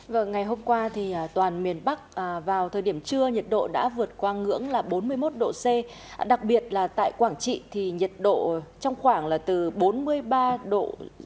vâng ngày hôm qua thì toàn miền bắc vào thời điểm trưa nhiệt độ đã vượt qua ngưỡng là bốn mươi một độ c đặc biệt là tại quảng trị thì nhiệt độ trong khoảng là từ bốn mươi ba độ